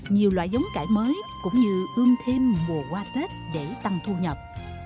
nhiều loại giống cải mới cũng như ươm thêm mùa qua tết để tăng thu nhập